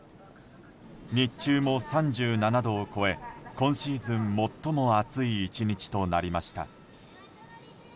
日中も３７度を超え今シーズン最も暑い１日となりました。